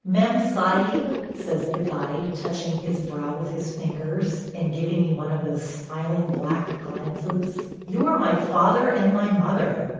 ... "Mem Sahib," says the guide, touching his brow with his fingers, and giving me one of those smiling black glances – "you are my father and my mother.